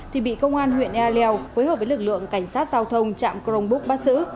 thì bị công an huyện ea leo phối hợp với lực lượng cảnh sát giao thông chạm chromebook bắt giữ